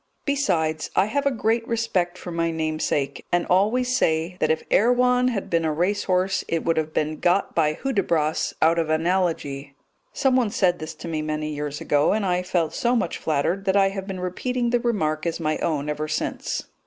Besides, I have a great respect for my namesake, and always say that if Erewhon had been a racehorse it would have been got by Hudibras out of Analogy. Someone said this to me many years ago, and I felt so much flattered that I have been repeating the remark as my own ever since.